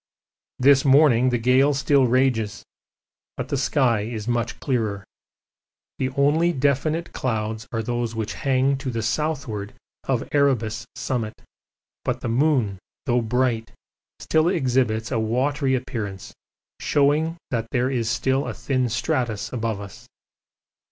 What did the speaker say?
This morning the gale still rages, but the sky is much clearer; the only definite clouds are those which hang to the southward of Erebus summit, but the moon, though bright, still exhibits a watery appearance, showing that there is still a thin stratus above us.